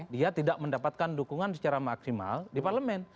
dia tidak mendapatkan dukungan secara maksimal di parlemen